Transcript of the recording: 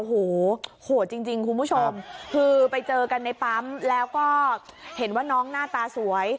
โอ้โหโหดจริงคุณผู้ชมคือไปเจอกันในปั๊มแล้วก็เห็นว่าน้องหน้าตาสวย